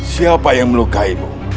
siapa yang melukainmu